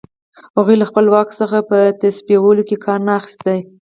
هغوی له خپل واک څخه په تصویبولو کې کار نه اخیست.